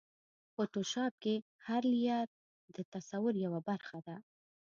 فوټوشاپ کې هر لېیر د تصور یوه برخه ده.